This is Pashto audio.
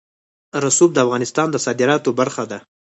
رسوب د افغانستان د صادراتو برخه ده.